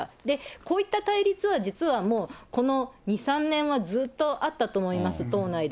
こういった対立は、実はもうこの２、３年は、ずっとあったと思います、党内で。